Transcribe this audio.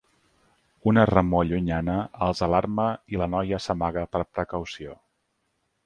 Una remor llunyana els alarma i la noia s'amaga per precaució.